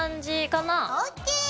ＯＫ！